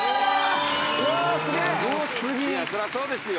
そりゃそうですよ。